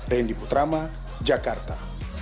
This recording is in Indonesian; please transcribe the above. rendy putrama jakarta